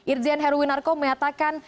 irjen heruwinarko menyatakan